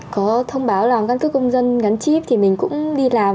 có thông báo là ông cân cước công dân gắn chip thì mình cũng đi làm